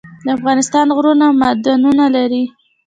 د افغانستان غرونه معدنونه لري